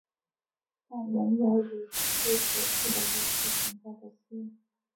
但仍有以驱除恶运的仪式存在的寺院。